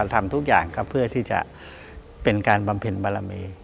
ทำทุกอย่างครับเพื่อที่จะเป็นการบำเพ็ญบารมี